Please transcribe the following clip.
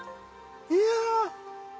いや。